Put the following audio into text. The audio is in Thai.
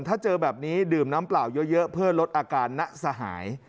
ถ้าเจอแบบนี้ดื่มน้ำเปล่าเยอะเพื่อลดอาการณสหาย